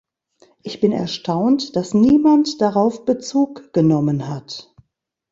Ich bin erstaunt, dass niemand darauf Bezug genommen hat.